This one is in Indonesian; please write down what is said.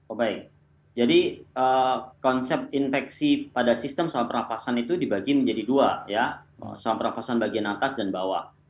oh baik jadi konsep infeksi pada sistem saluran pernafasan itu dibagi menjadi dua ya saluran pernafasan bagian atas dan bawah